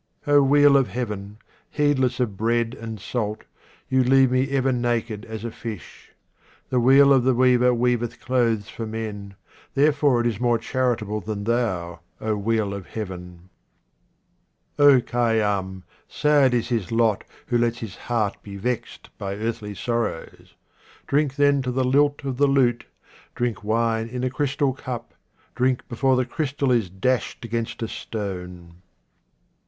O wheel of Heaven, heedless of bread and salt, you leave me ever naked as a fish. The wheel of the weaver weaveth clothes for men, therefore it is more charitable than thou, O wheel of Heaven. Khayyam, sad is his lot who lets his heart be vexed by earthly sorrows. Drink then to the lilt of the lute, drink wine in a crystal cup, drink before the crystal is dashed against a stone.